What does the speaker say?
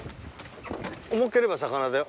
重ければ魚だよ。